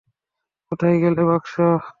কোথায় গেল বাক্স?